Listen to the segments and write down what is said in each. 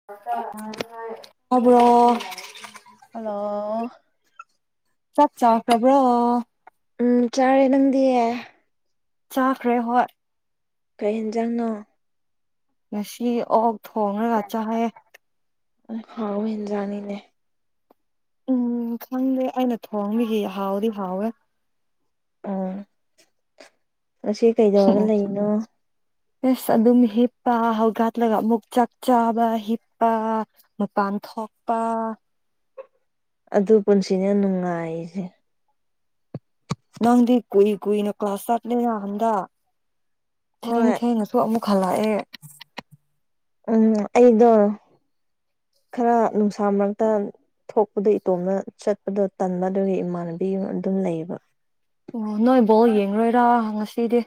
[unintelligible] ꯑ bro hello ꯆꯥꯛ ꯆꯥꯈ꯭ꯔꯕ꯭ꯔꯣ ꯎꯝ ꯆꯥꯔꯦ ꯅꯪꯗꯤꯌꯦ ꯆꯥꯈ꯭ꯔꯦ ꯍꯣꯏꯠ ꯀꯩ ꯍꯦꯟꯖꯥꯡꯅꯣ ꯉꯁꯤ ꯑꯣꯛ ꯊꯣꯡꯉ꯭ꯔꯒ ꯆꯥꯍꯌꯦ ꯑꯨꯡ ꯍꯥꯎꯕ ꯍꯦꯟꯖꯥꯡꯅꯤꯅꯦ ꯎꯝ ꯈꯪꯗꯦ ꯑꯩꯅ ꯊꯣꯡꯕꯤꯒꯤ ꯍꯥꯎꯗꯤ ꯍꯥꯎꯋꯦ ꯑꯨꯝ ꯉꯁꯤ ꯀꯩꯗꯧꯔꯒ ꯂꯩꯏꯅꯣ ꯏꯁ ꯑꯗꯨꯝ ꯍꯤꯞꯄ ꯍꯧꯒꯠꯂꯒ ꯑꯃꯨꯛ ꯆꯥꯛ ꯆꯥꯕ ꯍꯤꯞꯄ ꯃꯄꯥꯟ ꯊꯣꯛꯄꯥ ꯑꯗꯨ ꯄꯨꯟꯁꯤꯅ ꯅꯨꯡꯉꯥꯏꯁꯦ ꯅꯪꯗꯤ ꯀꯨꯏ ꯀꯨꯏꯅ ꯀ꯭ꯂꯥꯁ ꯆꯠꯂꯦꯅ ꯍꯟꯗ ꯊꯦꯡ ꯍꯣꯏ ꯊꯦꯡꯉꯁꯨ ꯑꯃꯨꯛ ꯈꯜꯂꯛꯑꯦ ꯎꯝ ꯑꯩꯗꯣ ꯈꯔ ꯅꯨꯡꯁꯥ ꯃꯔꯛꯇ ꯊꯣꯛꯄꯗꯣ ꯏꯇꯣꯝꯅ ꯆꯠꯄꯗꯣ ꯇꯟꯕ ꯑꯗꯨꯒꯤ ꯏꯃꯥꯟꯅꯕꯤ ꯑꯗꯨꯝ ꯂꯩꯌꯦꯕ ꯑꯣ ꯅꯣꯏ ꯕꯣꯜ ꯌꯦꯡꯔꯣꯏꯔꯥ ꯉꯁꯤꯗꯤ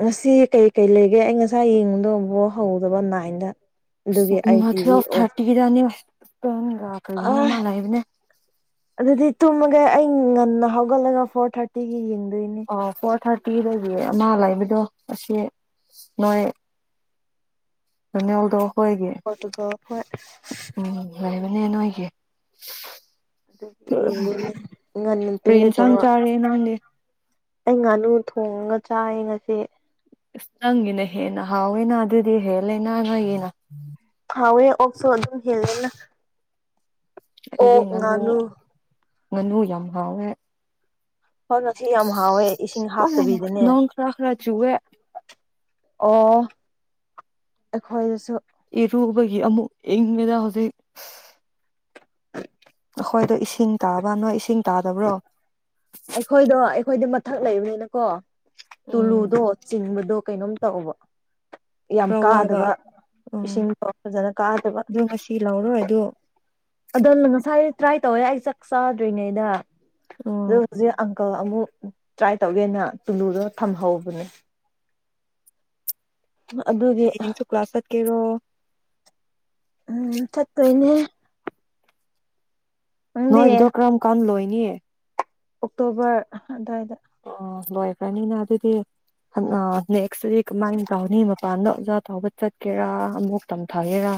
ꯉꯁꯤ ꯀꯩꯀꯩ ꯂꯩꯒꯦ ꯑꯩ ꯉꯁꯥꯏ ꯌꯦꯡꯉꯕꯗꯗꯣ ꯕꯣꯜ ꯍꯧꯗꯕ ꯅꯥꯏꯟꯗ ꯑꯗꯨꯒꯤ ꯑꯩ ꯃꯊ ꯇꯤꯚꯤ ꯇꯨꯋꯦꯜꯐ ꯑꯣꯐ ꯊꯥꯔꯇꯤꯗꯅꯤ ꯏꯁꯄꯦꯟꯒ ꯑꯥ ꯀꯩꯅꯣꯃ ꯂꯩꯥꯕꯅꯦ ꯑꯗꯨꯗꯤ ꯇꯨꯝꯃꯒꯦ ꯑꯩ ꯉꯟꯅ ꯍꯧꯒꯠꯂꯒ ꯐꯣꯔ ꯊꯥꯔꯇꯤꯒꯤ ꯌꯦꯡꯗꯣꯏꯅꯦ ꯑꯣ ꯐꯣꯔ ꯊꯥꯔꯇꯤꯗꯒꯤ ꯑꯃ ꯂꯩꯕꯗꯣ ꯑꯁꯤ ꯅꯣꯏ ꯔꯣꯅꯥꯜꯗꯣ ꯍꯣꯏꯒꯤ ꯄꯣꯔꯇꯨꯒꯜ ꯈꯣꯏ ꯎꯝ ꯂꯩꯥꯏꯕꯅꯦ ꯅꯣꯏꯒꯤ ꯑꯗꯨ ꯌꯦꯡꯗꯣꯏꯅꯦ ꯉꯟꯅ ꯀꯔꯤ ꯇꯨꯝꯒꯦ ꯏꯟꯁꯥꯡ ꯇꯩꯔ ꯆꯥꯔꯦ ꯅꯪꯗꯤ ꯑꯩ ꯉꯥꯅꯨ ꯊꯣꯡꯉꯒ ꯆꯥꯏ ꯉꯁꯤ ꯑꯁ ꯅꯪꯒꯤꯅ ꯍꯦꯟꯅ ꯍꯥꯎꯋꯦꯅ ꯑꯗꯨꯗꯤ ꯍꯦꯜꯂꯦꯅ ꯅꯣꯏꯒꯤꯅ ꯍꯥꯎꯑꯦ ꯑꯣꯛꯁꯣꯑꯗꯨꯝ ꯍꯦꯜꯂꯦꯅ ꯑꯩꯗꯤ ꯉꯥꯅꯨ ꯉꯥꯅꯨ ꯌꯥꯝ ꯍꯥꯎꯋꯦ ꯍꯣꯏ ꯉꯁꯤ ꯌꯥꯝ ꯍꯥꯎꯋꯦ ꯏꯁꯤꯡ ꯍꯥꯞꯇꯕꯤꯗꯅꯦ ꯅꯣꯡ ꯈꯔ ꯈꯔ ꯆꯨꯋꯦ ꯑꯣ ꯑꯩꯈꯣꯏꯗꯁꯨ ꯏꯔꯨꯕꯒꯤ ꯑꯃꯨꯛ ꯏꯪꯉꯦꯗ ꯍꯧꯖꯤꯛ ꯑꯩꯈꯣꯏꯗꯣ ꯏꯁꯤꯡ ꯇꯥꯕ ꯅꯣꯏ ꯏꯁꯤꯡ ꯇꯥꯗꯕ꯭ꯔꯣ ꯑꯩꯈꯣꯏꯗꯣ ꯑꯩꯈꯣꯏꯗꯤ ꯃꯊꯛ ꯂꯩꯕꯅꯤꯅꯀꯣ ꯎꯝ ꯇꯨꯂꯨꯗꯣ ꯆꯤꯡꯕꯗꯣ ꯀꯩꯅꯣꯝ ꯇꯧꯕ ꯌꯥꯝ ꯈꯔ ꯋꯥꯕ ꯀꯥꯗꯕ ꯏꯁꯤꯡꯗꯣ ꯐꯖꯅ ꯀꯥꯗꯕ ꯁꯤ ꯂꯧꯔꯣꯏ ꯑ ꯑꯗꯨ ꯑꯗꯣꯅ ꯉꯁꯥꯏ ꯇ꯭ꯔꯥꯏ ꯇꯧꯋꯦ ꯑꯩ ꯆꯥꯛ ꯆꯥꯗ꯭ꯔꯤꯉꯩꯗ ꯎꯝ ꯑꯗꯨ ꯍꯧꯖꯤꯛ ꯑꯪꯀꯜ ꯑꯃꯨꯛ ꯇ꯭ꯔꯥꯏ ꯇꯧꯒꯦꯅ ꯇꯨꯂꯨꯨꯗꯣ ꯊꯝꯍꯧꯕꯅꯦ ꯑꯗꯨꯒꯤ ꯍꯌꯦꯡꯁꯨ ꯀ꯭ꯂꯥꯁ ꯆꯠꯀꯦꯔꯣ ꯎꯝ ꯆꯠꯇꯣꯏꯅꯦ ꯅꯪꯗꯤ ꯉꯥꯏꯕꯗꯣ ꯀꯔꯝ ꯀꯥꯟ ꯂꯣꯏꯅꯤ ꯑꯣꯛꯇꯣꯕꯔ ꯑꯗꯨꯋꯥꯏꯗ ꯑꯣ ꯂꯣꯏꯈ꯭ꯔꯅꯤꯅ ꯑꯗꯨꯗꯤ ꯅꯦꯛꯁ ꯇꯗꯤ ꯀꯃꯥꯏꯅ ꯇꯧꯅꯤ ꯃꯄꯥꯟꯗ ꯑꯣꯖꯥ ꯇꯥꯎꯕ ꯆꯠꯀꯦꯔꯥ ꯑꯃꯨꯛ ꯇꯝꯊꯒꯦꯔꯥ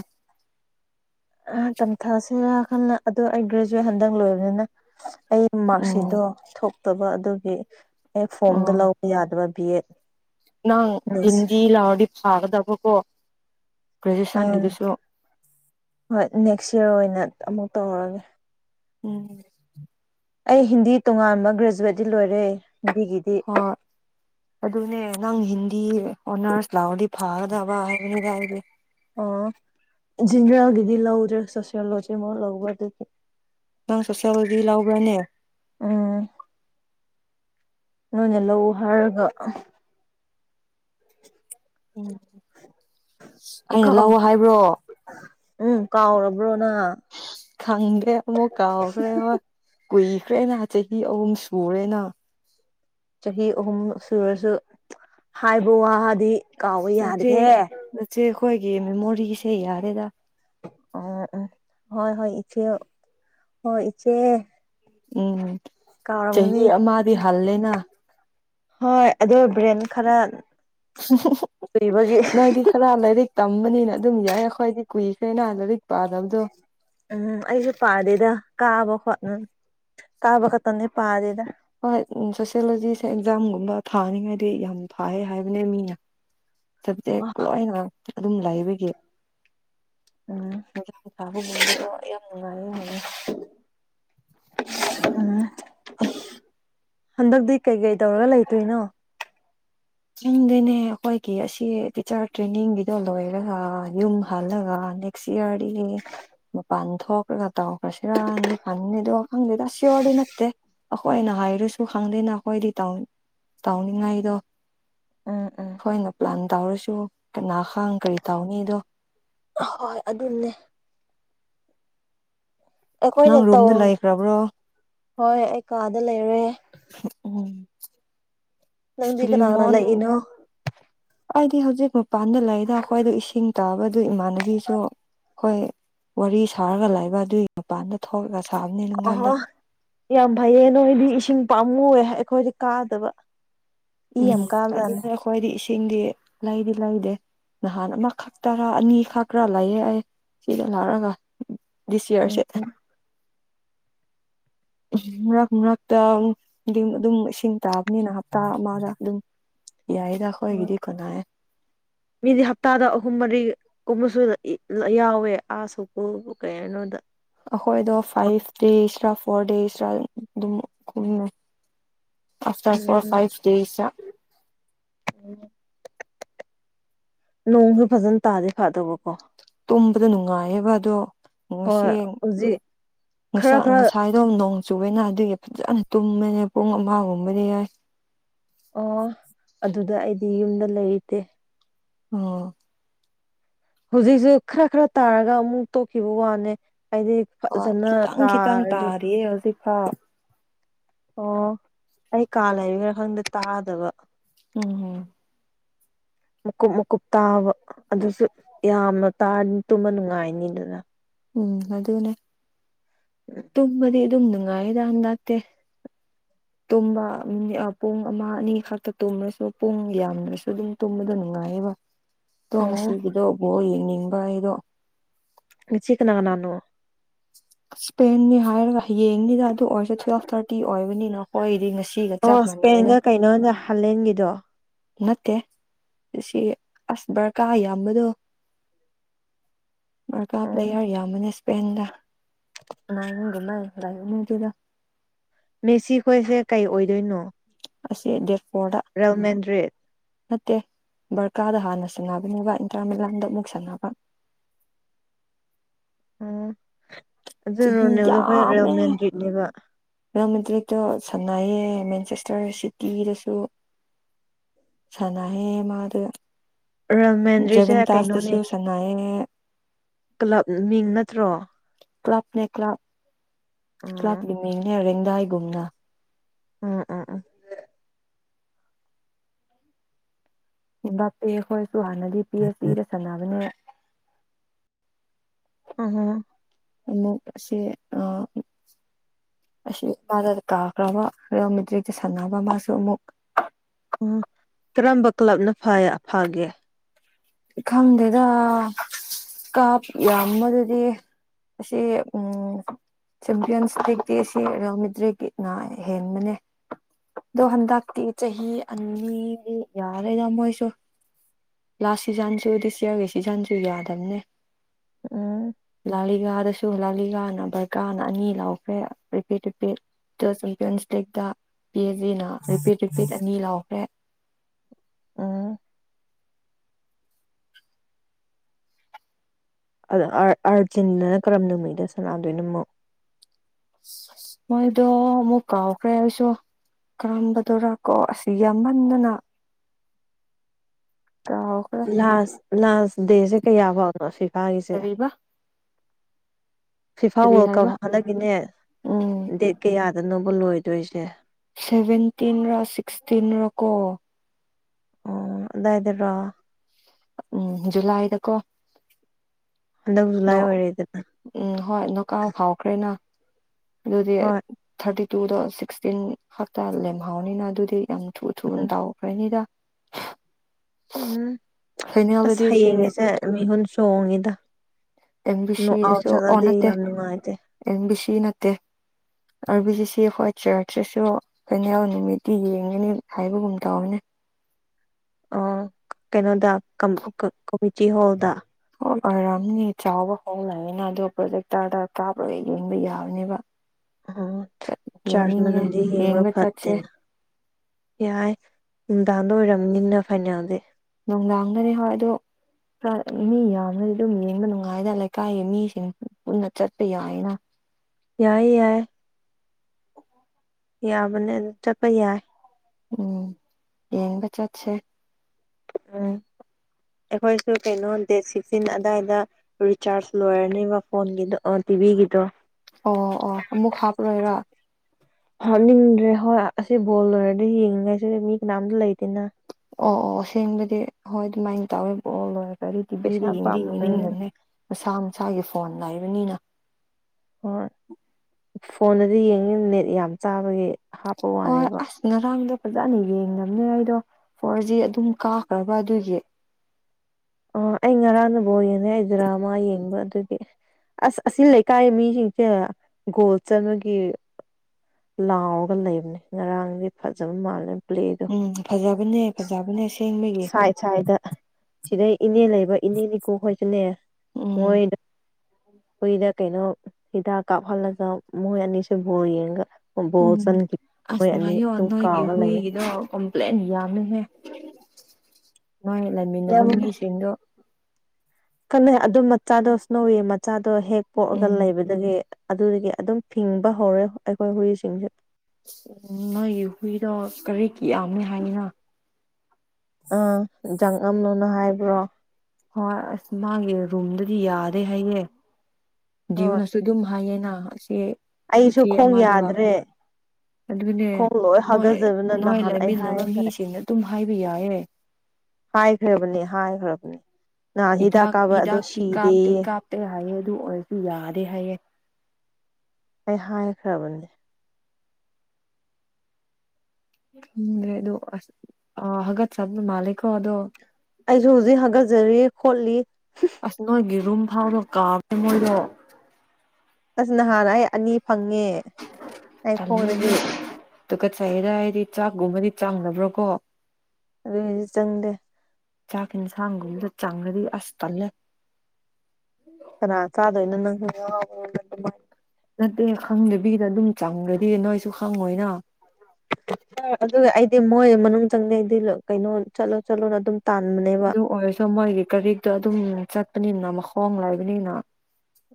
ꯑꯩꯍꯥꯛ ꯇꯝꯊꯁꯤꯔꯥ ꯈꯜꯂꯦ ꯑꯗꯣ ꯑꯩ ꯒ꯭ꯔꯦꯖꯨꯋꯦꯠ ꯍꯟꯗꯛ ꯂꯣꯏꯕꯅꯤꯅ ꯑꯩ ꯑꯣ ꯃꯥꯔꯁꯤꯗꯣ ꯊꯣꯛꯇꯕ ꯑꯗꯨꯒꯤ ꯑꯦ ꯐꯣꯝꯗ ꯑꯣ ꯂꯧꯕ ꯌꯥꯗꯕ ꯕꯤ ꯑꯦꯠ ꯅꯪ ꯅꯦꯛꯁ ꯍꯤꯟꯗꯤ ꯂꯥꯎꯗꯤ ꯐꯥꯒꯗꯕꯀꯣ ꯎꯝ ꯒꯔꯦꯖ꯭ꯋꯦꯁꯟꯒꯤꯗꯨꯁꯨ ꯍꯣꯏ ꯅꯦꯛꯁ ꯏꯔ ꯑꯣꯏꯅ ꯑꯃꯨꯛ ꯇꯧꯔꯒꯦ ꯎꯝ ꯑꯩ ꯍꯤꯟꯗꯤ ꯇꯣꯉꯥꯟꯕ ꯒ꯭ꯔꯦꯖꯨꯋꯦꯠꯇꯤ ꯂꯣꯏꯔꯦ ꯍꯤꯟꯗꯤꯒꯤꯗꯤ ꯍ ꯑꯗꯨꯅꯦ ꯅꯪ ꯍꯤꯟꯗꯤ ꯑꯣꯅꯔꯁ ꯂꯥꯛꯔꯗꯤ ꯐꯒꯗꯕ ꯍꯥꯏꯕꯅꯤꯗ ꯍꯥꯏꯗꯤ ꯑꯣ ꯖꯤꯅꯔꯦꯜꯒꯤꯗꯤ ꯂꯧꯗ꯭ꯔꯦ ꯁꯣꯁꯤꯌꯣꯂꯣꯖꯤ ꯑꯃ ꯂꯧꯕꯗꯨꯒꯤ ꯅꯪ ꯁꯣꯁꯂꯣꯖꯤ ꯂꯧꯕ꯭ꯔꯅꯦ ꯎꯝ ꯅꯣꯏꯅ ꯂꯧ ꯍꯥꯏꯔꯒ ꯎꯝ ꯑꯩꯅ ꯀꯥꯎ ꯂꯧꯑꯣ ꯍꯥꯏꯕ꯭ꯔꯣ ꯎꯝ ꯀꯥꯎꯔꯕ꯭ꯔꯣꯅꯪ ꯈꯪꯗꯦ ꯑꯃꯨꯛ ꯀꯥꯎꯈ꯭ꯔꯦ ꯍꯣꯏ ꯀꯨꯏꯈ꯭ꯔꯦꯅ ꯆꯍꯤ ꯑꯍꯨꯝ ꯁꯨꯔꯦꯅ ꯆꯍꯤ ꯑꯍꯨꯝ ꯁꯨꯔꯁꯨ ꯍꯥꯏꯕ ꯋꯥꯗꯤ ꯀꯥꯎꯕ ꯑꯁ ꯅꯆꯦ ꯌꯥꯗꯦꯍꯦ ꯅꯆꯦ ꯑꯩꯈꯣꯏꯒꯤ ꯃꯦꯃꯣꯔꯤꯁꯦ ꯌꯥꯔꯦꯗ ꯑ ꯎ ꯍꯣꯏ ꯍꯣꯏ ꯏꯆꯦ ꯍꯣ ꯏꯆꯦ ꯎꯝ ꯆꯍꯤ ꯀꯥꯎꯔꯝꯒꯅꯤ ꯑꯃꯗꯤ ꯍꯜꯂꯦꯅ ꯍꯣꯏ ꯑꯗꯨꯗ ꯕ꯭ꯔꯦꯟ ꯈꯔ ꯀꯨꯏꯕꯒꯤ ꯅꯣꯏꯗꯤ ꯈꯔ ꯂꯥꯏꯔꯤꯛ ꯇꯝꯕꯅꯤꯅ ꯑꯗꯨꯝ ꯌꯥꯏ ꯑꯩꯈꯋꯥꯏꯗꯤ ꯀꯨꯏꯈ꯭ꯔꯦꯅ ꯂꯥꯏꯔꯤꯛ ꯄꯥꯗꯕꯗꯣ ꯎꯝ ꯑꯩꯁꯨ ꯄꯥꯗꯦꯗ ꯀꯥꯕ ꯈꯣꯠꯅ ꯀꯥꯕ ꯈ ꯇꯅꯤ ꯄꯗꯦꯗꯥ ꯍꯣꯏ ꯁꯣꯁꯤꯌꯣꯂꯣꯖꯤꯁꯦ ꯑꯦꯛꯖꯥꯝꯒꯨꯝꯕ ꯊꯥꯅꯤꯡꯉꯥꯏꯗꯤ ꯌꯥꯝ ꯐꯥꯏ ꯍꯥꯏꯕꯅꯦ ꯃꯤꯅ ꯁꯕꯖꯦꯛ ꯎꯝ ꯂꯣꯏꯅ ꯑꯗꯨꯝ ꯂꯩꯕꯒꯤ ꯖꯥꯡ ꯊꯥꯕꯒꯨꯝꯕꯗꯣ ꯌꯥꯝ ꯅꯨꯡꯉꯥꯏꯌꯦ ꯍꯥꯏꯌꯦ [unintelligible] ꯎꯝ ꯍꯟꯗꯛꯇꯤ ꯀꯩꯀꯩ ꯇꯧꯔꯒ ꯂꯩꯇꯣꯏꯅꯣ ꯆꯨꯝꯗꯣꯏꯅꯦ ꯑꯩꯈꯣꯏꯒꯤ ꯑꯁꯤ ꯇꯤꯆꯔ ꯇ꯭ꯔꯦꯅꯤꯡꯒꯤꯗꯣ ꯂꯣꯏꯔꯒ ꯌꯨꯝ ꯍꯜꯂꯒ ꯁꯤ ꯌꯥꯦ ꯃꯄꯥꯟ ꯊꯣꯛꯈ꯭ꯔꯒ ꯇꯧꯈ꯭ꯔ ꯁꯤꯔꯗꯤ ꯈꯟꯗꯗꯣ ꯈꯪꯗꯦꯗꯁ ꯌꯔꯗꯤ ꯅꯠꯇꯦ ꯑꯩꯈꯣꯏꯅ ꯍꯥꯏꯔꯁꯨ ꯈꯪꯗꯦꯅ ꯑꯩꯈꯣꯏꯗꯤ ꯇꯥꯎꯅꯤꯡꯉꯥꯏꯗꯣ ꯎꯝ ꯎꯝ ꯑꯩꯈꯣꯏꯅ ꯄ꯭ꯂꯥꯟ ꯇꯧꯔꯁꯨ ꯀꯅꯥ ꯈꯥꯡ ꯀꯔꯤ ꯇꯧꯅꯤꯗꯣ ꯍꯣꯏ ꯑꯗꯨꯅꯦ ꯑꯩꯈꯣꯏꯅ ꯅꯪ ꯇꯧ ꯔꯨꯝꯗ ꯂꯩꯈ꯭ꯔꯕ꯭ꯔꯣ ꯍꯣꯏ ꯑꯩ ꯀꯥꯗ ꯂꯩꯔꯦ ꯎ ꯅꯪꯗꯤ ꯀꯅꯥ ꯀꯅꯥ ꯐꯃꯅꯤ ꯂꯩꯏꯅꯣ ꯑꯩꯗꯤ ꯍꯧꯖꯤꯛ ꯃꯄꯥꯟꯗ ꯂꯩꯔꯤꯗ ꯑꯩꯈꯣꯏꯗ ꯏꯁꯤꯡ ꯇꯥꯕꯗ ꯏꯃꯥꯟꯅꯕꯤꯁꯨ ꯑꯩꯈꯣꯏ ꯋꯥꯔꯤ ꯁꯥꯔꯒ ꯂꯥꯛꯕ ꯑꯗꯨꯒꯤ ꯃꯄꯥꯟꯗ ꯊꯣꯛꯂꯒ ꯁꯥꯕꯅꯤ ꯑꯣꯍꯣ ꯅꯉꯣꯟꯗ ꯌꯥꯝ ꯐꯩꯌꯦ ꯅꯣꯏꯗꯤ ꯏꯁꯤꯡ ꯄꯥꯝꯃꯨꯦ ꯑꯩꯈꯣꯏꯗꯤ ꯀꯥꯗꯕ ꯏ ꯎꯝ ꯌꯥꯝ ꯑꯗꯨ ꯀꯥꯕꯖꯥꯠꯅꯦ ꯑꯩꯈꯣꯏꯗꯤ ꯏꯁꯤꯡꯗꯤ ꯂꯩꯗꯤ ꯂꯩꯗꯦ ꯅꯍꯥꯟ ꯑꯃ ꯈꯛꯛꯇꯔꯥ ꯑꯅꯤ ꯈꯛ ꯈꯔꯥ ꯂꯩꯌꯦꯦ ꯑꯩ ꯁꯤꯗ ꯂꯥꯛꯔꯒ ꯗꯤ ꯁꯤꯔꯁ ꯎꯝ ꯎ ꯃꯔꯛ ꯃꯔꯛꯇ ꯑꯗꯨꯝ ꯏꯁꯤꯡ ꯇꯥꯕꯅꯤꯅ ꯍꯞꯇꯥ ꯑꯃꯗ ꯑꯗꯨꯝ ꯌꯥꯏꯗ ꯍꯣꯒꯗꯤ ꯀꯣꯅꯥꯦ ꯃꯤꯗꯤ ꯍꯞꯇꯥꯗ ꯑꯍꯨꯝ ꯃꯔꯤ ꯀꯨꯝꯕꯁꯨ ꯌꯥꯎꯋꯦ ꯑꯥꯁꯨꯄ ꯀꯅꯣꯗ ꯑꯩꯈꯣꯏꯗꯣ ꯐꯥꯏꯚ ꯗꯦꯁꯇꯔꯥ ꯐꯣꯔ ꯗꯦꯁꯇꯔꯥ ꯑꯗꯨꯝ ꯀꯨꯝꯃꯦ ꯑꯁ ꯎꯝ ꯐꯥꯏꯚ ꯗꯦꯁ ꯑꯣ ꯅꯣꯡꯁꯨ ꯐꯖꯅ ꯇꯥꯗꯦ ꯐꯥꯗꯕ ꯀꯣ ꯇꯨꯝꯕꯗ ꯅꯨꯡꯉꯥꯏꯌꯦꯕ ꯑꯗꯣ ꯍꯣꯏ ꯉꯁ ꯍꯧꯖꯤꯛ ꯉꯁ ꯈꯔ ꯈꯔ ꯉꯁꯥꯏ ꯑꯗꯨꯝ ꯅꯣꯡ ꯆꯨꯕꯅ ꯑꯗꯨꯒꯤ ꯐꯖꯅ ꯇꯨꯝꯕꯅꯦ ꯄꯨꯡ ꯑꯃꯒꯨꯝꯕꯗꯤ ꯌꯥꯏ ꯑꯣ ꯑꯗꯨꯗ ꯑꯩꯗꯤ ꯌꯨꯝꯗ ꯂꯩꯔꯤꯇꯦ ꯑꯣ ꯍꯧꯖꯤꯛꯁꯨ ꯈꯔ ꯈꯔ ꯇꯥꯔꯒ ꯑꯃꯨꯛ ꯇꯣꯛꯈꯤꯕ ꯋꯥꯅꯦ ꯍꯥꯏꯗꯤ ꯐꯖꯅ ꯇꯥꯗꯤ ꯑꯦ ꯍꯧꯖꯤꯐꯥꯎ ꯑꯣ ꯑꯩ ꯀꯥ ꯂꯩꯔꯤ ꯈꯔꯥ ꯈꯪꯗꯦ ꯇꯥꯗꯕ ꯎꯝ ꯍꯝ ꯃꯀꯨꯞ ꯃꯀꯨꯞ ꯇꯥꯕ ꯑꯗꯨꯁꯨ ꯌꯥꯝꯅ ꯇꯥꯔꯅꯤ ꯇꯨꯝꯕ ꯅꯨꯡꯉꯥꯏꯅꯤ ꯑꯗꯨꯅ ꯎꯝ ꯑꯗꯨꯅꯦ ꯇꯨꯝꯕꯗꯤ ꯑꯗꯨꯝ ꯅꯨꯡꯉꯥꯏꯗꯥ ꯅꯠꯇꯦ ꯇꯨꯝꯕ ꯄꯨꯡ ꯑꯃ ꯑꯅꯤ ꯈꯛꯇ ꯇꯨꯝ꯭ꯔꯁꯨ ꯄꯨꯡ ꯌꯥꯝꯅꯁꯨ ꯑꯗꯨꯝ ꯇꯨꯝꯕꯗ ꯅꯨꯡꯉꯥꯏꯌꯦꯕ ꯑꯣ ꯇꯣꯡꯁꯤꯕꯗꯣꯕꯣ ꯌꯦꯡꯅꯤꯡꯕ ꯍꯥꯏꯗꯣ ꯆꯤꯛꯅꯥꯒ ꯅꯅꯣ ꯁꯄꯦꯟꯅꯤ ꯍꯥꯏꯔꯒ ꯌꯦꯡꯅꯤꯗ ꯑꯗꯨ ꯑꯣꯏꯔꯁꯨ ꯇꯨꯋꯜꯐ ꯊꯥꯔꯇꯤ ꯑꯣꯏꯕꯅꯤꯅ ꯍꯣꯏꯗꯤ ꯉꯁꯤ ꯑꯣ ꯏꯁꯄꯦꯟꯒ ꯀꯩꯅꯣꯗ ꯍꯥꯂꯦꯟꯒꯤꯗꯣ ꯅꯠꯇꯦ ꯁꯤ ꯑꯁ ꯕꯔꯀꯥꯔ ꯌꯥꯝꯕꯗꯣ ꯔꯀꯥ ꯑꯣ ꯄ꯭ꯂꯦꯌꯥꯔ ꯌꯥꯝꯕꯅꯦ ꯏꯁꯄꯦꯟꯗ ꯉꯥꯏꯒꯨꯝꯃ ꯂꯥꯏꯑꯣꯅꯤ ꯑꯗꯨꯗ ꯃꯦꯁꯤ ꯈꯣꯏꯁꯦ ꯀꯩ ꯑꯣꯏꯗꯣꯏꯅꯣ ꯑꯁꯤ ꯗꯦꯠꯄꯣꯔꯗ ꯔꯣꯃꯦꯟꯗ꯭ꯔꯤꯠ ꯅꯠꯇꯦ ꯕꯔꯀꯥꯗ ꯍꯥꯟꯅ ꯁꯥꯟꯅꯕꯅꯦꯕ ꯏꯟꯇ꯭ꯔꯥꯃꯦꯂꯥꯟꯗ ꯑꯃꯨꯛ ꯁꯥꯟꯅꯕ ꯑꯣ ꯑꯗꯨ ꯆꯍꯤ ꯔꯣꯅꯦꯜꯗꯣ ꯑꯩꯈꯣꯏ ꯔꯌꯦꯜꯃꯦꯟ ꯗ꯭ꯔꯤꯠꯅꯦꯕ ꯔꯇ꯭ꯔꯤꯠꯇꯣ ꯁꯥꯟꯅꯏꯌꯦ ꯃꯦꯟꯆꯦꯁꯇꯔ ꯁꯤꯇꯤꯗꯁꯨ ꯁꯅꯍꯦ ꯃꯥꯗ ꯔꯦꯜ ꯃꯦꯟꯗ꯭ꯔꯤꯠꯁꯦ ꯖꯕꯟ ꯇꯁꯇꯁꯨ ꯀꯩꯅꯣꯅꯦ ꯎꯁꯅꯥꯑ ꯀ꯭ꯂꯕ ꯃꯤꯡ ꯅꯠꯇ꯭ꯔꯣ ꯀ꯭ꯂꯅꯦ ꯀ ꯀ ꯑꯣ ꯃꯤ ꯔꯦꯡꯗꯥ ꯨꯨꯝꯅ ꯑꯥ ꯑꯥ ꯑꯥ ꯄꯦꯈꯣꯏꯁꯨ ꯍꯥꯟꯅꯗꯤ ꯄꯤ ꯑꯦꯁ ꯁꯤꯒ ꯁꯥꯟꯅꯕꯅꯦ ꯎꯝ ꯛ ꯁꯤ ꯑ ꯑꯁꯤ ꯃꯥꯗ ꯀꯥꯈ꯭ꯔꯕ ꯔꯤꯌꯜꯃꯦꯇ꯭ꯔꯤꯛꯇ ꯁꯥꯟꯅꯕ ꯃꯥꯁꯨ ꯑꯃꯨꯛ ꯎ ꯀꯔꯝꯕ ꯀ꯭ꯂꯕꯅ ꯐꯥꯒꯦ ꯈꯪꯗꯦꯗ ꯀꯥꯞ ꯌꯥꯝꯕꯗꯨꯗꯤ ꯑꯁꯤ ꯎꯝ ꯆꯦꯝꯄꯤꯌꯟꯁ ꯂꯤꯛꯇꯤ ꯑꯁꯤ ꯔꯌꯣꯃꯤꯗ꯭ꯔꯦꯒꯤꯅ ꯍꯦꯟꯕꯅꯦ ꯑꯗꯣ ꯍꯟꯗꯛꯇꯤ ꯆꯍꯤ ꯑꯅꯤ ꯌꯥꯔꯦꯗ ꯃꯣꯏꯁꯨ ꯁꯤꯖꯥꯟꯟꯁꯨ ꯑꯗꯨꯗꯤ ꯆꯌꯥꯔꯈꯩ ꯁꯤꯖꯟꯁꯨ ꯌꯥꯗꯕꯅꯦ ꯎꯝ ꯂꯥꯂꯤꯒꯥꯥꯗꯁꯨ ꯂꯥꯂꯤꯒꯥꯥꯅ ꯕꯔꯀꯥꯅ ꯑꯅꯤ ꯂꯥꯎꯈ꯭ꯔꯦ ꯔꯤꯄꯦꯠ ꯇꯔꯤꯄꯦꯠ ꯆꯦꯝꯄꯤꯌꯟꯁ ꯂꯤ ꯄꯤ ꯑꯦꯁ ꯅ ꯔꯤꯄꯤꯠ ꯔꯤꯄꯤꯠ ꯑꯅꯤ ꯂꯥꯎꯈ꯭ꯔꯦ ꯎꯝ ꯑ ꯑꯥꯔꯖꯦꯟꯇꯤꯅꯥꯅ ꯀꯔꯝ ꯅꯨꯃꯤꯠꯗ ꯁꯂꯗꯣꯏꯅꯣ ꯃꯣꯏꯗꯣ ꯃꯨ ꯀꯥꯎꯥꯎ ꯀ ꯍꯥꯏꯁꯨ ꯀꯔꯝꯕꯗꯔꯥ ꯀꯣ ꯑꯁꯤ ꯌꯥꯝꯃꯟꯗꯅ [unintelligible] ꯀꯥꯎꯈ꯭ꯔꯦ ꯂꯥꯁ ꯂꯥꯁ ꯗꯦꯁꯦ ꯀꯌꯥ ꯐꯥꯎꯅꯣ ꯁꯤꯐꯥꯒꯤꯁꯦ ꯀꯔꯤꯕ ꯐꯤꯐꯥ ꯀꯔꯤ ꯋꯥꯔꯜ ꯀꯞ ꯍꯥꯏꯕ ꯍꯥꯟꯅꯒꯤꯅꯦ ꯎꯝ ꯗꯦꯠ ꯀꯌꯥꯗꯅꯣꯕꯨ ꯂꯣꯏꯗꯣꯏꯁꯦ ꯁꯦꯚꯦꯟꯇꯤꯟ ꯔ ꯁꯤꯛꯁꯇꯤꯟ ꯔ ꯀꯣ ꯑꯣ ꯗꯥꯏꯗꯔ ꯎꯝ ꯨꯂꯥꯏꯗꯀꯣ ꯍꯟꯗꯛꯁꯨ ꯂꯥꯏ ꯑꯣꯏꯔꯦꯗꯅ ꯎꯝ ꯍꯣꯏ ꯅꯣꯀꯥꯎ ꯈꯥꯎꯈ꯭ꯔꯦꯅ ꯑꯗꯨꯗꯤ ꯍꯣꯏ ꯊꯥꯔꯇꯤ ꯇꯨꯗꯣ ꯁꯤꯛꯁꯇꯤꯟ ꯈꯛꯇ ꯂꯦꯝꯍꯧꯅꯤꯅ ꯑꯗꯨꯗꯤ ꯌꯥꯝ ꯊꯨ ꯊꯨꯅ ꯎꯝ ꯇꯧꯈ꯭ꯔꯅꯤꯗ ꯎꯝ ꯑꯁ ꯐꯥꯏꯅꯦꯜꯗꯗꯤ ꯁꯤ ꯍꯌꯦꯡꯉꯁꯦ ꯃꯤꯍꯨꯟ ꯁꯣꯡꯉꯤꯗ ꯑꯦꯝ ꯑꯥꯎ ꯆꯂꯗꯤ ꯌꯥꯝ ꯅꯨꯡꯉꯥꯏꯇꯦ ꯑꯦꯟꯕꯤ ꯁꯤ ꯅꯠꯇꯦ ꯑ ꯕꯤ ꯁꯤ ꯁꯤ ꯍꯠ ꯆꯔꯁꯨ ꯀꯅꯎ ꯅꯨꯃꯤꯠꯇꯤ ꯌꯦꯡꯒꯅꯤ ꯍꯥꯏꯕꯒꯨꯝ ꯇꯧꯋꯅꯦ ꯑꯣ ꯀꯩꯅꯣꯗ ꯀꯃꯨꯅꯤꯇꯤ ꯍꯣꯜꯗ ꯍꯣꯏ ꯑꯣꯏꯔꯝꯅꯤ ꯆꯥꯎꯕ ꯍꯣꯡꯂꯛꯑꯅꯤꯅ ꯑꯗꯣ ꯄ꯭ꯔꯣꯖꯦꯛꯇꯔꯗ ꯀꯥꯞꯂꯒ ꯌꯣꯟꯕ ꯌꯥꯕꯅꯦꯕ ꯑꯣ ꯆꯥꯔꯖ ꯌꯦꯡꯅꯤꯡꯉꯦ ꯃꯅꯨꯡꯅꯝꯗꯤ ꯌꯦꯡꯕ ꯆꯠꯁꯦ ꯐꯠꯇꯦꯅ ꯌꯥꯏ ꯅꯨꯡꯗꯥꯡꯗ ꯑꯣꯏꯔꯝꯅꯤꯅ ꯐꯥꯏꯅꯦꯜꯗꯤ ꯅꯨꯡꯗꯥꯡꯗꯅꯦ ꯍꯣꯏ ꯑꯣ ꯃꯤ ꯌꯥꯝꯅꯗꯤ ꯑꯗꯨꯝ ꯌꯦꯡꯕ ꯅꯨꯡꯉꯥꯏꯅ ꯂꯩꯀꯥꯏꯒꯤ ꯃꯤꯁꯤꯡ ꯄꯨꯟꯅ ꯆꯠꯄ ꯌꯥꯏꯅ ꯭ꯦ ꯌꯥ ꯌꯥꯕꯅꯦ ꯑꯗꯨ ꯆꯠꯄ ꯌꯥꯏ ꯎꯝ ꯌꯦꯡ ꯆꯁꯦ ꯎꯝ ꯑꯩꯈꯣꯏꯁꯨ ꯀꯩꯅꯣ ꯗꯦꯠ ꯁꯤꯛꯁꯇꯤꯟ ꯑꯗꯨꯋꯥꯏꯗ ꯔꯤꯆꯥꯔꯖ ꯂꯣꯏꯔꯅꯦꯕ ꯐꯣꯟꯒꯤꯗ ꯇꯤꯚꯤꯒꯤꯗꯣ ꯑꯣ ꯑꯣ ꯑꯃꯨꯛ ꯍꯥꯞꯔꯣꯏꯔ ꯍꯥꯞꯅꯤꯡꯗ꯭ꯔꯦ ꯍꯣꯏ ꯑꯁꯤ ꯕꯣꯜ ꯂꯣꯏꯔꯗꯤ ꯌꯦꯡꯤꯉꯥꯏꯁꯤ ꯃꯤ ꯀꯅꯥꯝꯇ ꯂꯩꯗꯦꯅ ꯑꯣ ꯑꯣ ꯑꯁꯦꯡꯕꯗꯤ ꯍꯣꯏ ꯑꯗꯨꯃꯥꯏꯅ ꯇꯧꯋꯦꯕ ꯑꯣ ꯂꯣꯏꯔꯦ ꯀꯔꯤ ꯄꯩꯁꯥ ꯇꯤꯚꯤꯗꯤ ꯌꯦꯡꯗꯤ ꯄꯥꯝ ꯎꯝ ꯌꯦꯡꯅꯤꯡꯒꯅꯦ ꯃꯁꯥ ꯃꯁꯥꯒꯤ ꯐꯣꯟ ꯂꯩꯕꯅꯤꯅ ꯍꯣꯏ ꯐꯣꯟꯗꯗꯤ ꯌꯦꯡꯉꯤꯅ ꯅꯦꯠ ꯌꯥꯝ ꯆꯥꯕꯒꯤ ꯍꯥꯞꯄ ꯍꯣꯏ ꯋꯥꯅꯦꯕ ꯑꯁ ꯉꯔꯥꯡꯗꯣ ꯐꯖꯅ ꯌꯦꯡꯅꯕꯅꯦ ꯑꯩꯗꯣ ꯐꯣꯔ ꯖꯤ ꯑꯗꯨꯝ ꯀꯥꯞꯈ꯭ꯔꯕ ꯑꯗꯨꯒꯤ ꯑ ꯑꯩ ꯉꯔꯥꯡ ꯅꯨꯐꯥꯎ ꯌꯦꯡꯉ ꯑꯩꯖꯔꯥ ꯑꯃ ꯌꯦꯡꯕ ꯑꯗꯨꯗꯤ ꯑꯁ ꯑꯁꯤ ꯂꯩꯀꯥꯏ ꯃꯤꯁꯤꯡꯁꯦ ꯒꯣꯜ ꯆꯠꯕꯒꯤ ꯂꯥꯎꯔꯒ ꯂꯩꯕꯅꯦ ꯉꯔꯥꯡꯗꯤ ꯐꯖꯕ ꯃꯥꯜꯂꯦ ꯄ꯭ꯂꯦꯗꯣ ꯎꯝ ꯐꯖꯕꯅꯦ ꯐꯖꯕꯅꯦ ꯁꯦꯡꯕꯒꯤ ꯁꯋ꯭ꯥꯏꯗ ꯁꯤꯗ ꯏꯅꯦ ꯂꯩꯕ ꯏꯅꯦꯅꯤꯀꯣ ꯑꯩꯈꯣꯏꯁꯨꯅꯦ ꯎꯝ ꯃꯣꯏꯗ ꯍꯨꯏꯗ ꯀꯩꯅꯣ ꯍꯤꯗꯥꯛ ꯀꯥꯞꯍꯜꯂꯒ ꯃꯣꯏ ꯑꯅꯤꯁꯨ ꯕꯣꯔ ꯌꯦꯡꯒ ꯎꯝ ꯑꯁ ꯉꯥꯏꯌꯣ ꯅꯣꯏꯒꯤ ꯀꯥꯎꯔꯒ ꯂꯩꯌꯦ ꯍꯨꯏꯒꯤꯗꯣ ꯄ꯭ꯂꯦꯟ ꯌꯥꯝꯃꯤꯉꯦ ꯃꯣꯏ ꯂꯩꯃꯤꯟꯅꯕ ꯌꯥꯝ ꯃꯤꯁꯤꯡꯗꯣ ꯀꯟꯅꯣ ꯑꯗꯨꯝ ꯃꯆꯥꯗꯣꯁꯨ ꯅꯧꯋꯤ ꯃꯆꯥꯗꯣ ꯍꯦꯛ ꯄꯣꯛꯑꯒ ꯎꯝ ꯂꯩꯕꯗꯒꯤ ꯑꯗꯨꯗꯒꯤ ꯑꯗꯨꯝ ꯐꯤꯡꯕ ꯍꯧꯔꯦ ꯑꯩꯈꯣꯏ ꯍꯨꯏꯁꯤꯡꯁꯦ ꯎ ꯅꯣꯏꯒꯤ ꯍꯨꯏꯗꯣ ꯀꯔꯤ ꯌꯥꯝꯅꯤ ꯍꯥꯏꯅꯤꯅ ꯑꯥ ꯆꯪꯉꯝꯂꯣꯅ ꯍꯥꯏꯕ꯭ꯔꯣ ꯍꯣꯏ ꯑꯁ ꯃꯥꯒꯤ ꯔꯨꯝꯗꯗꯤ ꯌꯥꯗꯦ ꯍꯥꯏꯌꯦ ꯍꯣꯏ ꯗꯤꯌꯨꯅꯁꯨ ꯑꯗꯨꯝ ꯍꯥꯏꯌꯦꯅ ꯁꯤ ꯑꯩꯁꯨ ꯈꯣꯡ ꯌꯥꯗ꯭ꯔꯦ ꯑꯗꯨꯅꯦ ꯈꯣꯡ ꯂꯣꯏ ꯃꯣꯏ ꯍꯥꯒꯖꯕꯅ ꯅꯥꯏ ꯅꯍꯥꯟ ꯑꯩ ꯂꯩꯃꯤꯟꯅꯕ ꯃꯤꯁꯤꯡꯅ ꯑꯗꯨꯝ ꯍꯥꯏꯕ ꯌꯥꯏꯌꯦ ꯍꯥꯏꯈ꯭ꯔꯕꯅꯦ ꯍꯥꯏꯈ꯭ꯔꯕꯅꯦ ꯅꯥ ꯍꯤꯗꯥꯛ ꯀꯥꯕ ꯑꯗꯣ ꯍꯤꯗꯥꯛꯇꯤ ꯀꯥꯞꯇꯦ ꯁꯤꯗꯦꯌꯦ ꯀꯥꯞꯇꯦ ꯍꯥꯏꯌꯦ ꯑꯗꯨ ꯑꯣꯏꯔꯁꯨ ꯌꯥꯗꯦ ꯍꯥꯏꯌꯦ ꯑꯩ ꯍꯥꯏꯈ꯭ꯔꯕꯅꯦ ꯎꯝꯦ ꯑꯗꯨ ꯑꯁ ꯑ ꯍꯥꯏꯠ ꯁꯕ ꯃꯥꯂꯀꯣ ꯑꯗꯨ ꯑꯩꯁꯨ ꯍꯧꯖꯤꯛ ꯍꯥꯒꯠꯆꯔꯤ ꯈꯣꯠꯂꯤ ꯑꯁ ꯅꯣꯏꯒꯤ ꯔꯨꯝ ꯐꯥꯎꯗꯣ ꯀꯥꯕꯅꯦ ꯃꯣꯏꯗꯣ ꯑꯁ ꯅꯍꯥꯟꯅ ꯑꯅꯤ ꯐꯪꯉꯦ ꯑꯩ ꯈꯣꯡꯗꯒꯤ ꯇꯜꯂꯤꯅꯦ ꯑꯗꯨꯒ ꯆꯍꯤꯗ ꯍꯥꯏꯗꯤ ꯆꯥꯛꯒꯨꯝꯕꯗꯤ ꯆꯥꯡꯅꯕ꯭ꯔꯣ ꯀꯣ ꯑꯗꯨ ꯆꯪꯗꯦ ꯆꯥꯛ ꯌꯦꯟꯁꯥꯡꯒꯨꯝꯕꯗ ꯆꯪꯉꯗꯤ ꯑꯁ ꯇꯜꯂꯦ ꯈꯔ ꯆꯥꯗꯣꯏꯅ ꯅꯪ ꯅꯠꯇꯦ ꯈꯪꯗꯕꯤꯗ ꯑꯗꯨꯝ ꯆꯪꯒꯗꯤꯔ ꯅꯣꯏꯁꯨ ꯈꯪꯉꯣꯏꯅ ꯑꯗꯨꯒ ꯑꯩꯗꯤ ꯃꯣꯏ ꯃꯅꯨꯡ ꯆꯪꯗꯦ ꯑꯩꯗꯤ ꯀꯩꯅꯣ ꯆꯠꯂꯣ ꯆꯠꯂꯣꯅ ꯑꯗꯨꯝ ꯇꯟꯕꯅꯦ ꯑꯗꯨ ꯑꯣꯏꯔꯁꯨ ꯃꯣꯏꯒꯤ ꯀꯔꯤꯛꯇ ꯑꯗꯨꯝ ꯆꯠꯄꯅꯤꯅ ꯃꯈꯣꯡ ꯂꯩꯕꯅꯤꯅ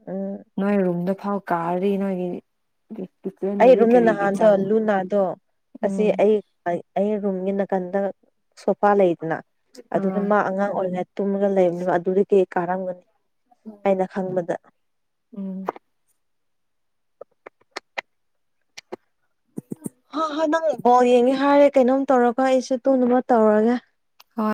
ꯎꯝ ꯅꯣꯏ ꯔꯨꯝꯗ ꯐꯥꯎ ꯀꯥꯔꯤ ꯅꯣꯏꯒꯤ ꯀꯤꯠꯆꯦꯟꯗꯗꯤ ꯑꯩꯔꯨꯝꯅ ꯀꯔꯤꯒꯤ ꯅꯍꯥꯟꯗꯣ ꯆꯪ ꯂꯨ ꯅꯥꯗꯣ ꯑꯁꯤ ꯎꯝ ꯑꯩ ꯑꯩ ꯔꯨꯝꯒꯤ ꯅꯥꯀꯟꯗ ꯁꯣꯐꯥ ꯂꯩꯗꯅ ꯑꯗꯨꯗ ꯑꯥ ꯃꯥ ꯑꯉꯥꯡ ꯑꯣꯏꯅ ꯇꯨꯝꯃꯒ ꯂꯩꯕꯅꯤꯕ ꯑꯗꯨꯗꯒꯤ ꯀꯥ ꯀꯔꯝꯒꯅꯤ ꯑꯩꯅ ꯈꯪꯕꯗ ꯎꯝ ꯍ ꯍꯣꯏ ꯅꯪ ꯕꯣꯜ ꯌꯦꯡꯉꯦ ꯍꯥꯏꯔꯦ ꯀꯩꯅꯣꯝ ꯇꯧꯔꯒ ꯑꯩꯁꯨ ꯇꯨꯝꯅꯕ ꯇꯧꯔꯒꯦ ꯍꯣꯏ